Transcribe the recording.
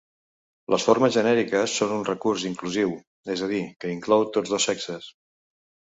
Les formes genèriques són un recurs inclusiu, és a dir, que inclou tots dos sexes.